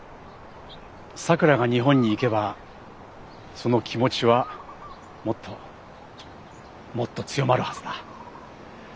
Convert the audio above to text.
さくらが日本に行けばその気持ちはもっともっと強まるはずだ。